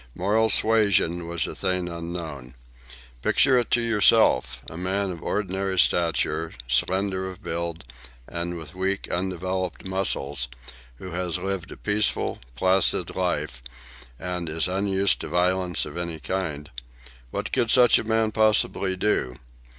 Moral suasion was a thing unknown. Picture it to yourself: a man of ordinary stature, slender of build, and with weak, undeveloped muscles, who has lived a peaceful, placid life, and is unused to violence of any sort—what could such a man possibly do?